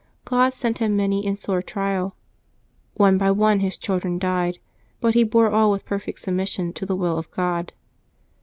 God sent him many and sore trials. One by one his children died, but he bore all with perfect submission to the will of God.